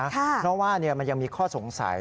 เพราะว่ามันยังมีข้อสงสัย